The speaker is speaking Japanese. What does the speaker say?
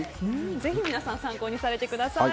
ぜひ皆さん参考にされてください。